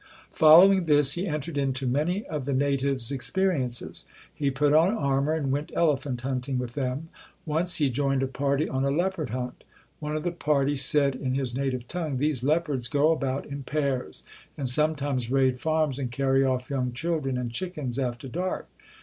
Following this, he entered into many of the natives' experiences. He put on armor and went elephant hunting with them. Once he joined a party on a leopard hunt. One of the party said in his native tongue, "These leopards go about in pairs, and sometimes raid farms and carry off young children and chickens after dark.